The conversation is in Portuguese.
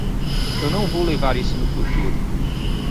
Eu não vou levar isso no futuro.